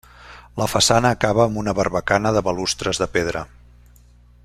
La façana acaba amb una barbacana de balustres de pedra.